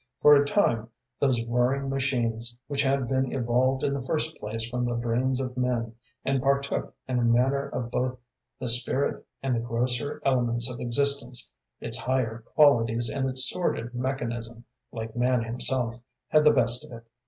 For a time those whirring machines, which had been evolved in the first place from the brains of men, and partook in a manner of both the spirit and the grosser elements of existence, its higher qualities and its sordid mechanism, like man himself, had the best of it.